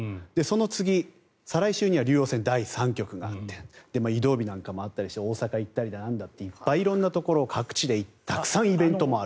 その次、再来週には竜王戦第３局があって移動日なんかもあったりして大阪行ったり、色んなところに各地でたくさんイベントもある。